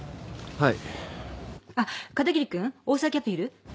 はい？